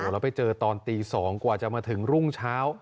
แล้วไปเจอตอนตี๒กว่าจะมาถึงรุ่งเช้า